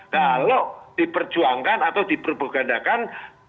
kalau diperjuangkan atau diperbukadakan